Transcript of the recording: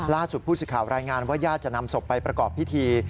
ล่าสุดผู้สื่อข่าวรายงานว่าญาติจะนำศพไปประกอบพิธี